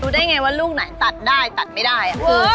ได้ไงว่าลูกไหนตัดได้ตัดไม่ได้